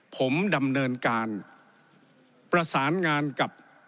ผมดำเนินการประสานงานกับ